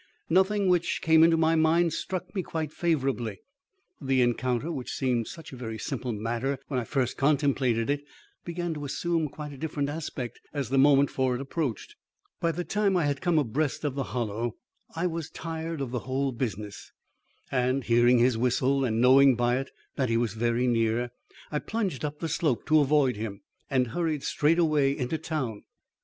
Nothing which came into my mind struck me quite favourably. The encounter which seemed such a very simple matter when I first contemplated it, began to assume quite a different aspect as the moment for it approached. By the time I had come abreast of the Hollow, I was tired of the whole business, and hearing his whistle and knowing by it that he was very near, I plunged up the slope to avoid him, and hurried straight away into town.